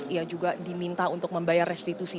ia juga diminta untuk membayar restitusi